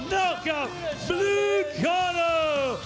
นะครับบลื้อคอนเตอร์